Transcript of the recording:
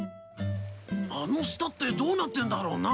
あの下ってどうなってんだろうな。